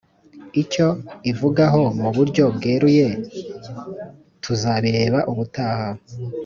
Icyo ivugaho mu buryo bweruye tuzabireba ubutaha